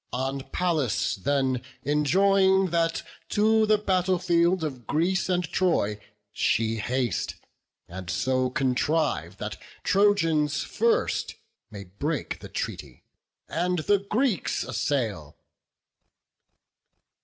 On Pallas then enjoin That to the battle field of Greece and Troy She haste, and so contrive that Trojans first May break the treaty, and the Greeks assail."